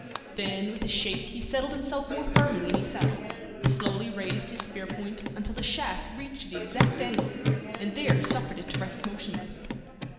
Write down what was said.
Then with a shake he settled himself more firmly in his saddle, slowly raised his spear point until the shaft reached the exact angle, and there suffered it to rest motionless.